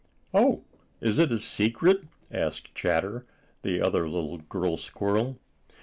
"Oh, is it a secret?" asked Chatter, the other little girl squirrel.